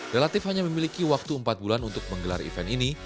relatif hanya memiliki waktu empat bulan untuk menggelar event ini